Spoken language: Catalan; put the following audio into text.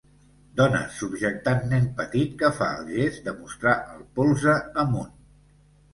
Dones subjectant nen petit que fa el gest de mostrar el polze amunt.